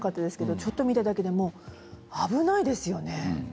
ちょっと見ただけで危ないですよね。